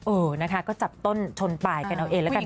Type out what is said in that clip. เออนะคะก็จับต้นชนไปกันเอาเองละกัน